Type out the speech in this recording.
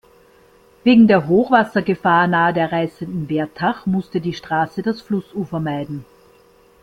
Wegen der Hochwassergefahr nahe der reißenden Wertach musste die Straße das Flussufer meiden.